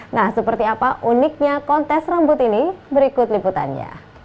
nah seperti apa uniknya kontes rambut ini berikut liputannya